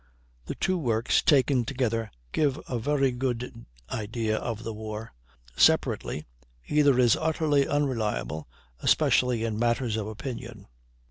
The two works taken together give a very good idea of the war; separately, either is utterly unreliable, especially in matters of opinion.